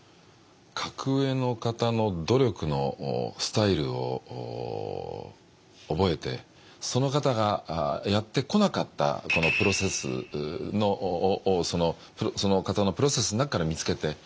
格上の方の努力のスタイルを覚えてその方がやってこなかったプロセスをその方のプロセスの中から見つけて。